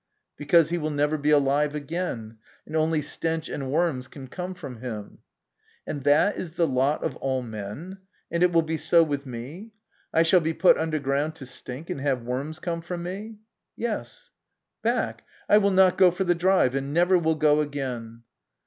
'Because he will never be alive again, and only stench and worms can come from him.' 1 And that is the lot of all men ? And it will be so with me? I shall be put underground to stink and have worms come from me ?' 1 Yes.' * Back ! I will not go for the drive, and never will go again.'"